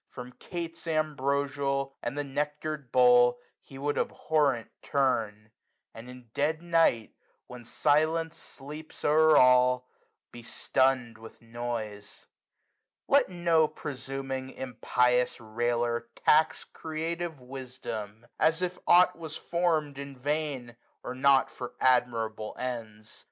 From cates ambrosial, and the nectar'd bowl, 315 He would abhorrent turn ; and in dead night. When silence sleeps o'er all, be stun'd with noise. Let no presuming impious railer tax Creative Wisdom, as if aught was form'd In vain, or not for admirable ends.